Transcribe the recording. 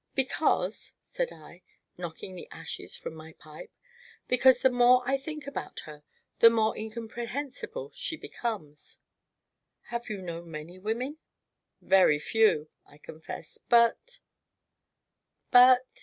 "Because," said I, knocking the ashes from my pipe, "because the more I think about her the more incomprehensible she becomes." "Have you known many women?" "Very few," I confessed, "but " "But?"